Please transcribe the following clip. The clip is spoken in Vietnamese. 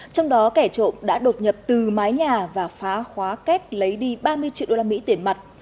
trong đó kẻ trộm đã đột nhập từ mái nhà và phá khóa kết lấy đi ba mươi triệu usd tiền mặt